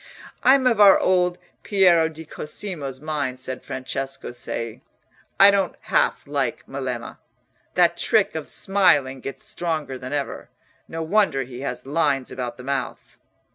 "I'm of our old Piero di Cosimo's mind," said Francesco Cei. "I don't half like Melema. That trick of smiling gets stronger than ever—no wonder he has lines about the mouth."